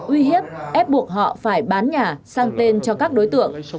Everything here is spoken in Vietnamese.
uy hiếp ép buộc họ phải bán nhà sang tên cho các đối tượng